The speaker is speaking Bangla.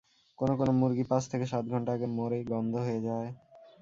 কোনো কোনো মুরগি পাঁচ থেকে সাত ঘণ্টা আগে মরে গন্ধ হয়ে যায়।